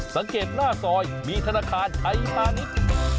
สังเกตหน้าซอยมีธนาคารไทยพาณิชย์